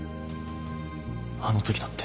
あのときだって。